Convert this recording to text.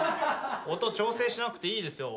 音調整しなくていいですよ。